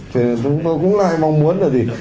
cho nên chúng tôi cũng lại mong muốn là gì